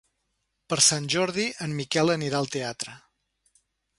Per Sant Jordi en Miquel anirà al teatre.